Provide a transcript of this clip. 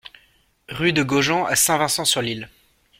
Rue de Gogeant à Saint-Vincent-sur-l'Isle